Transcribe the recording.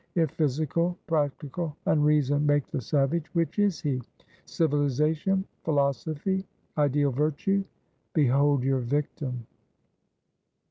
If physical, practical unreason make the savage, which is he? Civilization, Philosophy, Ideal Virtue! behold your victim!